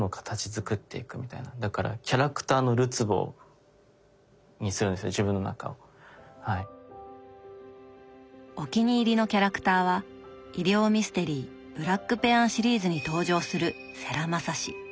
だからお気に入りのキャラクターは医療ミステリー「ブラックペアン」シリーズに登場する「世良雅志」。